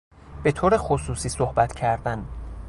به طور خصوصی صحبت کردن